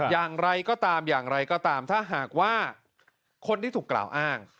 อย่างไรก็ตามอย่างไรก็ตามถ้าหากว่าคนที่ถูกกล่าวอ้าง